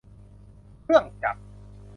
เครื่องจักร